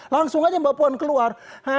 langsung aja mbak puan keluar